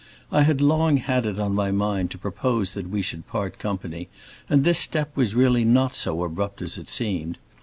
I had long had it on my mind to propose that we should part company, and this step was not really so abrupt as it seemed.